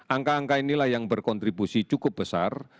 angka angka inilah yang berkontribusi cukup besar